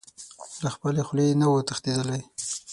له خپلې خولې نه و تښتېدلی.